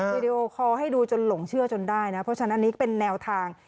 วิดีโอคอลให้ดูจนหลงเชื่อจนได้นะเพราะฉะนั้นอันนี้ก็เป็นแนวทาง